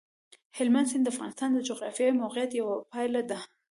هلمند سیند د افغانستان د جغرافیایي موقیعت یوه پایله ده.